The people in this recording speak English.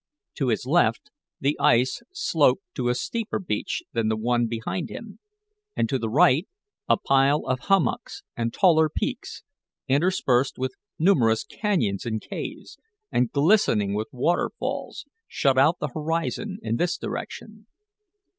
To his left the ice sloped to a steeper beach than the one behind him, and to the right, a pile of hummocks and taller peaks, interspersed with numerous cañons and caves, and glistening with waterfalls, shut out the horizon in this direction.